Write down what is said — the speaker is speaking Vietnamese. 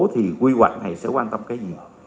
thì quy hoạch này sẽ quan tâm cái gì